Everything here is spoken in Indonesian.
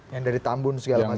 yang dari tambun segala macam